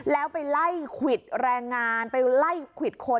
แล้วไปไล่ควิดแรงงานไปไล่ควิดคน